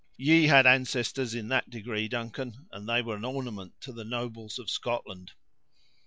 Ye had ancestors in that degree, Duncan, and they were an ornament to the nobles of Scotland."